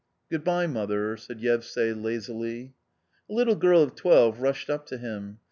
" Good bye, mother," said Yevsay lazily. A little girl of twelve rushed up to him.